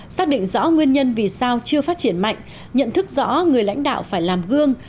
xác định rõ nguyên nhân vì sao chưa phát triển mạnh nhận thức rõ người lãnh đạo phải làm gương